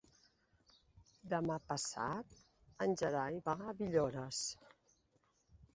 Demà passat en Gerai va a Villores.